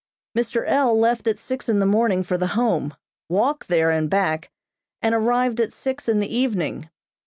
Mr. L. left at six in the morning for the Home, walked there and back, and arrived at six in the evening.